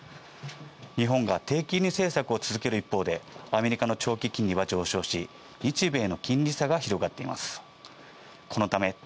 日本が低金利政策を続ける一方でアメリカの長期金利は上昇し、日米の金利差が広がっています。